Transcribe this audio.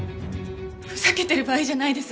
ふざけてる場合じゃないです。